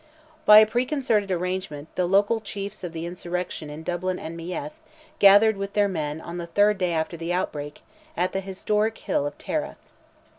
By a preconcerted arrangement, the local chiefs of the insurrection in Dublin and Meath, gathered with their men on the third day after the outbreak, at the historic hill of Tara.